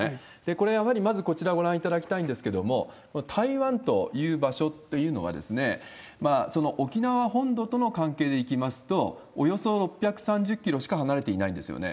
これ、やはりまず、こちらご覧いただきたいんですけれども、台湾という場所というのは、沖縄本土との関係でいきますと、およそ６３０キロしか離れていないんですよね。